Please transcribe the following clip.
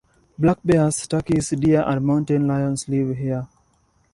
Black bears, turkeys, deer and mountain lions live here.